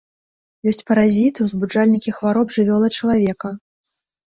Ёсць паразіты, узбуджальнікі хвароб жывёл і чалавека.